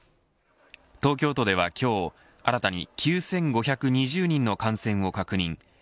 東京都では今日、新たに９５２０人の感染を確認。